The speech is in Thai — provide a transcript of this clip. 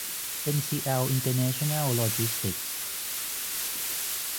เอ็นซีแอล อินเตอร์เนชั่นแนล โลจิสติกส์